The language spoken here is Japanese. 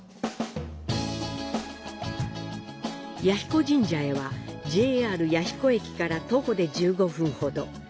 彌彦神社へはＪＲ弥彦駅から徒歩で１５分ほど。